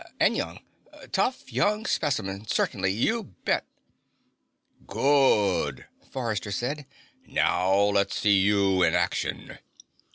And young. Tough young specimen. Certainly. You bet." "Good," Forrester said. "Now let's see you in action."